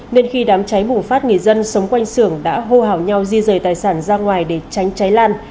nên khi đám cháy bùng phát người dân sống quanh xưởng đã hô hào nhau di rời tài sản ra ngoài để tránh cháy lan